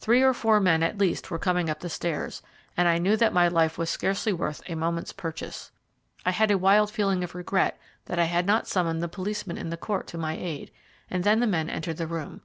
Three or four men at least were coming up the stairs, and I knew that my life was scarcely worth a moment's purchase. I had a wild feeling of regret that I had not summoned the policeman in the court to my aid, and then the men entered the room.